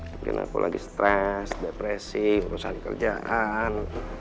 mungkin aku lagi stres depresi urusan kerjaan